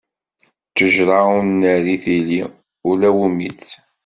Ttejṛa ur nerri tili, ula wumi-tt.